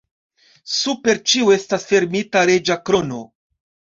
Super ĉio estas fermita reĝa krono.